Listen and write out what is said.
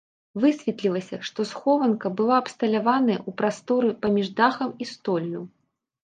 Высветлілася, што схованка была абсталяваная ў прасторы паміж дахам і столлю.